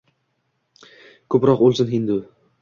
Ko’proq o’lsin hindu